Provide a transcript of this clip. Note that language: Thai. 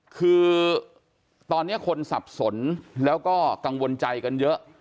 คือตอนนี้คนสับสนแล้วก็กังวลใจกันเยอะ